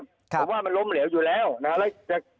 ผมว่ามันล้มเหลวอยู่แล้วนะครับ